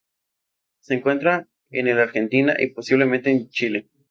Se encuentra en el Argentina y, posiblemente en Chile.